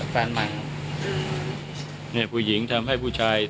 พี่ถามเลยวันนี้มันตัดอยู่ในใจของพวกทุกคน